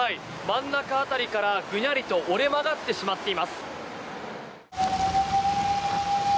真ん中辺りから、ぐにゃりと折れ曲がってしまっています。